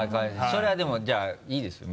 それはでもじゃあいいですよ